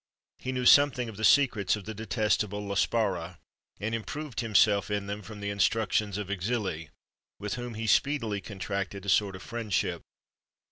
He knew something of the secrets of the detestable La Spara, and improved himself in them from the instructions of Exili, with whom he speedily contracted a sort of friendship.